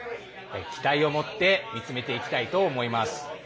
期待を持って見つめていきたいと思います。